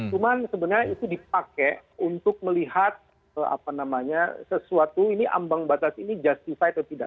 cuman sebenarnya itu dipakai untuk melihat sesuatu ini ambang batas ini justify atau tidak